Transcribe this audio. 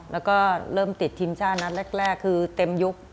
แล้วก็เริ่มติดทีมชาตินัดแรกคือเต็มยุค